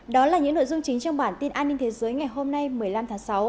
đó là những nội dung chính trong bản tin an ninh thế giới ngày hôm nay một mươi năm tháng sáu